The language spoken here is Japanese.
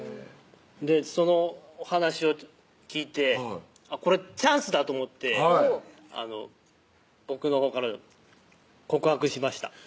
その話を聞いてこれチャンスだと思って僕のほうから告白しました